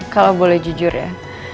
kalau boleh jujur ya